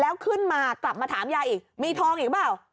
แล้วขึ้นมากลับมาถามยายอีกมีทองอีกเปล่า